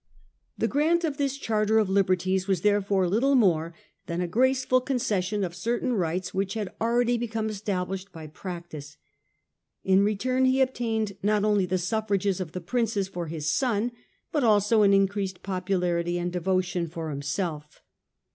The grant of this charter of liberties was, therefore, little more than a graceful concession of certain rights which had already become established by practice. In return he obtained not only the suffrages of the Princes for his son but also an increased popularity and devotion for himself.